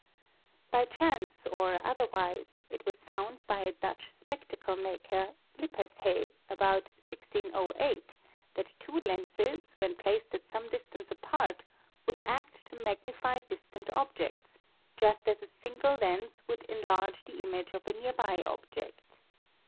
By chance or otherwise it was found by a Dutch spec tacle maker, Lippershey, about 1608, that two lenses when placed at some distance apart would act to magnify distant objects, just as a single lens would enlarge the image of a near by object.